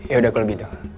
yaudah gue lebih dong